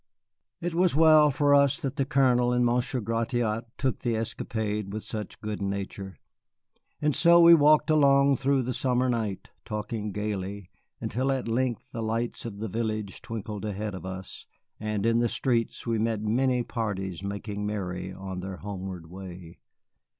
It was well for us that the Colonel and Monsieur Gratiot took the escapade with such good nature. And so we walked along through the summer night, talking gayly, until at length the lights of the village twinkled ahead of us, and in the streets we met many parties making merry on their homeward way.